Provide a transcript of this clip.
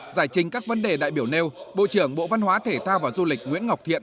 giải trình các vấn đề đại biểu nêu bộ trưởng bộ văn hóa thể thao và du lịch nguyễn ngọc thiện